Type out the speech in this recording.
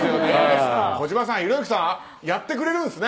児嶋さん、ひろゆきさんやってくれるんですね。